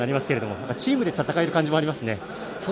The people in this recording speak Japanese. チームで戦える感じがありますね。